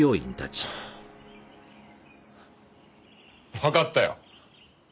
わかったよ。